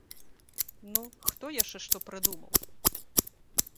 Ну, хто яшчэ што прыдумаў?